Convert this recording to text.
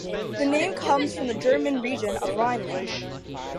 The name comes from the German region of the Rhineland.